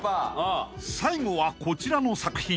［最後はこちらの作品］